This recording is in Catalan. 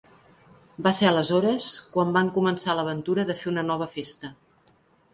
Va ser aleshores quan van començar l’aventura de fer una nova festa.